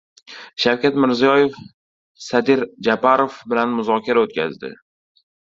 Shavkat Mirziyoyev Sadir Japarov bilan muzokara o‘tkazdi